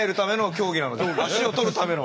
足を取るための。